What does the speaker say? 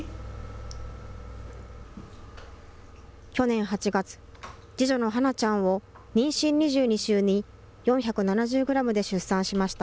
去年８月、次女の華名ちゃんを妊娠２２週に４７０グラムで出産しました。